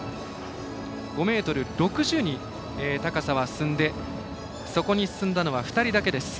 ５ｍ６０に高さは進んでそこに進んだのは２人だけです。